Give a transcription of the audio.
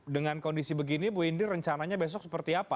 dengan kondisi begini bu indri rencananya besok seperti apa